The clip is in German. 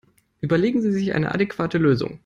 Überlegen Sie sich eine adäquate Lösung!